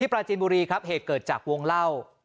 ปราจีนบุรีครับเหตุเกิดจากวงเล่า